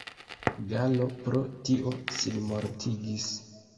Gallo pro tio sinmortigis.